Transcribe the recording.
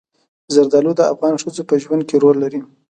زردالو د افغان ښځو په ژوند کې رول لري.